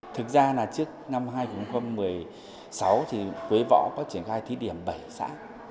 thực ra là trước năm hai nghìn một mươi sáu thì quế võ có triển khai thí điểm bảy xã